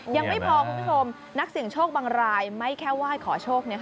ยังไม่พอคุณผู้ชมนักเสี่ยงโชคบางรายไม่แค่ไหว้ขอโชค